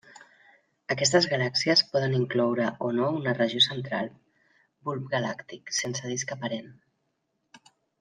Aquestes galàxies poden incloure o no una regió central, bulb galàctic, sense disc aparent.